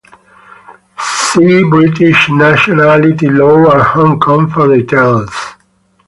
See British nationality law and Hong Kong for details.